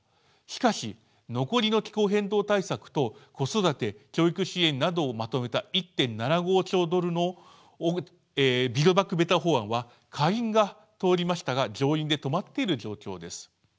しかし残りの気候変動対策と子育て・教育支援などをまとめた１．７５兆ドルのビルド・バック・ベター法案は下院が通りましたが上院で止まっている状況です。